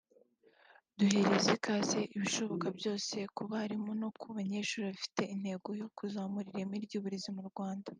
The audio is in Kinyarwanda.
“Duhereza ikaze ibishoboka byose ku barimu no ku banyeshuri bifite intego yo kuzamura ireme ry’uburezi mu Rwanda